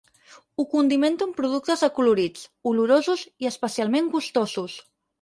Ho condimento amb productes acolorits, olorosos i especialment gustosos.